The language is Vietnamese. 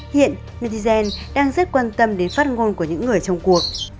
hiện minigen đang rất quan tâm đến phát ngôn của những người trong cuộc